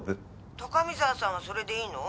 「高見沢さんはそれでいいの？」